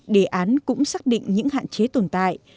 đề án cũng xác định những hạn chế tồn tại